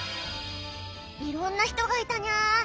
いろんな人がいたにゃ。